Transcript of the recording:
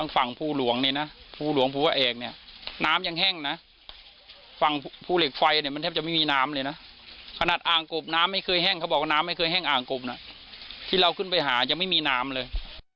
ฝั่งภูเหล็กไฟมันแทบจะไม่มีน้ำเลยนะขณะอ่างกบน้ำไม่เคยแห้งเขาบอกว่าน้ำไม่เคยแห้งอ่างกบน่ะที่เราขึ้นไปหาจะไม่มีน้ำเลย